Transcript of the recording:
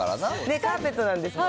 カーペットなんですよね。